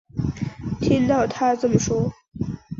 听到她这么说